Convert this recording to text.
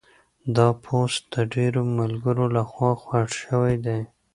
دا پوسټ د ډېرو ملګرو لخوا خوښ شوی دی.